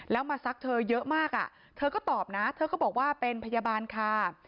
แล้วมาซักเธอเยอะมากอ่ะเธอก็ตอบนะเธอก็บอกว่าเป็นพยาบาลค่ะ